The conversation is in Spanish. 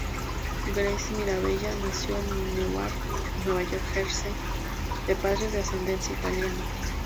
Grace Mirabella nació en Newark, Nueva Jersey, de padres de ascendencia italiana.